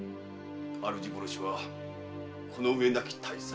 主殺しはこのうえなき大罪。